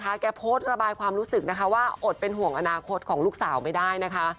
แกโพสต์ระบายความรู้สึกนะคะว่าอดเป็นห่วงอนาคตของลูกสาวไม่ได้นะคะ